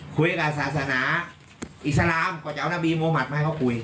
คุยกับศาสนาอิสลามกว่าเจ้านับบีมมตรให้เขาคุย